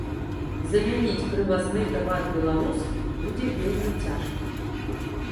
Замяніць прывазны тавар беларускім будзе вельмі цяжка.